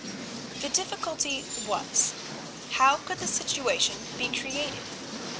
The difficulty was: How could the situation be created?